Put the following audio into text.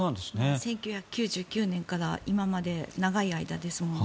１９９９年から今まで長い間ですもんね。